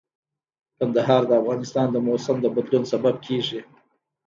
کندهار د افغانستان د موسم د بدلون سبب کېږي.